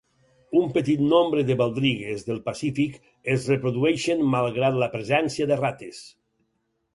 Un petit nombre de baldrigues del Pacífic es reprodueixen malgrat la presència de rates.